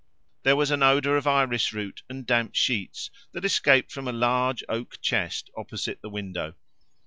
There was an odour of iris root and damp sheets that escaped from a large oak chest opposite the window.